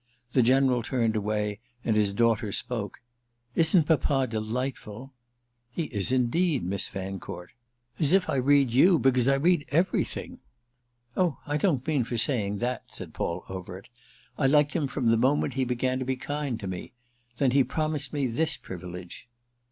The General turned away and his daughter spoke—"Isn't papa delightful?" "He is indeed, Miss Fancourt." "As if I read you because I read 'everything'!" "Oh I don't mean for saying that," said Paul Overt. "I liked him from the moment he began to be kind to me. Then he promised me this privilege."